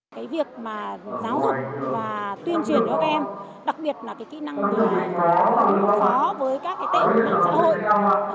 cái việc mà giáo dục và tuyên truyền cho các em đặc biệt là cái kỹ năng phó với các cái tên xã hội